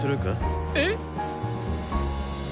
えっ！